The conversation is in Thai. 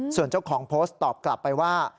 ส่วนเจ้าของโพสต์ตอบกลับไปว่า